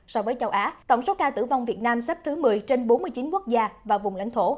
so với châu á tổng số ca tử vong việt nam xếp thứ một mươi trên bốn mươi chín quốc gia và vùng lãnh thổ